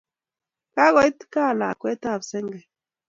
Kakoit ka lakwet ap senge.